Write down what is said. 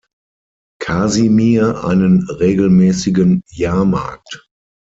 Kasimir einen regelmäßigen Jahrmarkt.